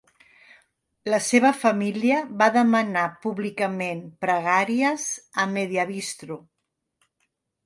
La seva família va demanar públicament pregàries a Mediabistro.